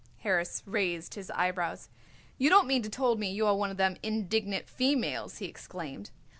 Harris raised his eyebrows. "You don't mean to told me you are one of them indignant females?" he exclaimed.